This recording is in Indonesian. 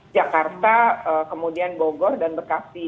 jakarta kemudian bogor dan bekasi